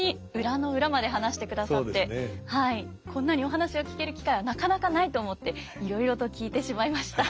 こんなにお話を聞ける機会はなかなかないと思っていろいろと聞いてしまいました。